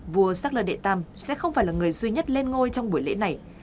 vua shakla đệ tam sẽ không phải là người duy nhất lên ngôi trong buổi lễ này